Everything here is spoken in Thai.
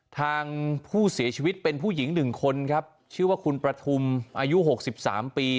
ทางผู้เสียชีวิตเป็นผู้หญิง๑คนครับชื่อว่าคุณประทุมอายุ๖๓ปี